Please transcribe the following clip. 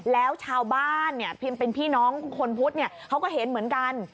แล้วชาวบ้านเป็นพี่น้องคนพุธเขาก็เห็นเหมือนกัน